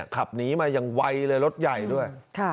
ขับหนีมาอย่างไวเลยรถใหญ่ด้วย